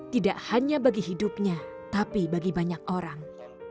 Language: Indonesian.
tidak hanya bagi hidupnya tapi bagi banyak orang